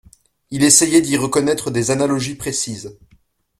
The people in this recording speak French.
Il essayait d'y reconnaître des analogies précises.